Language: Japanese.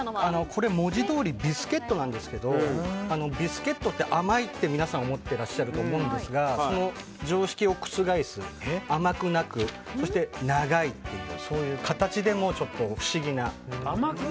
これ、文字どおりビスケットなんですけどビスケットって甘いって皆さん思ってらっしゃると思いますがその常識を覆す甘くなく、長いというそういう形でも不思議なものです。